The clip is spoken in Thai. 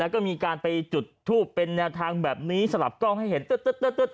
ก็มีการไปจุดทูปเป็นแนวทางแบบนี้สลับกล้องให้เห็นตึ๊ด